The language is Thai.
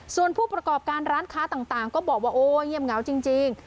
ส่วนผู้ประกอบการร้านค้าต่างก็บอกว่าโอ้เงียบเหงาจริง